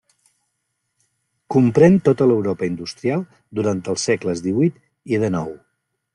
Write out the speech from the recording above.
Comprén tota l'Europa industrial durant els segles díhuit i dènou.